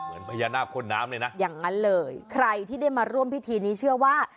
เหมือนพญานาคคนน้ำเลยนะอย่างนั้นเลยใครที่ได้มาร่วมพิธีนี้เชื่อว่า